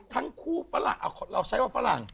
ทั้งคู่ฝรั่งเราใช้ว่าฝรั่ง